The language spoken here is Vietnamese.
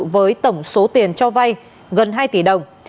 với tổng số tiền cho vay gần hai tỷ đồng